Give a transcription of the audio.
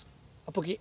ポキッ。